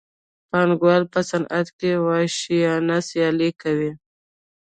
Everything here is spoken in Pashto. پانګوال په صنعت کې وحشیانه سیالي کوي